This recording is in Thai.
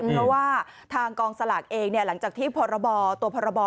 เพราะว่าทางกองสลากเองหลังจากที่พรบตัวพรบ